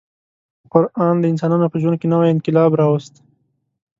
قران د انسانانو په ژوند کې نوی انقلاب راوست.